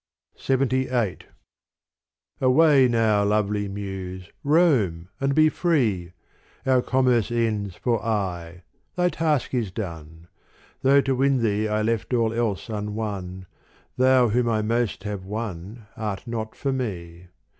LXXVIII Away now, lovely Muse, roam and be free : Our commerce ends for aye, thy task is done : Though to win thee I left all else unwon, Thou whom I most have won art not for me.